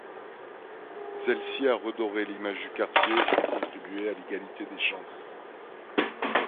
Celle-ci a redoré l'image du quartier et contribué à l'égalité des chances.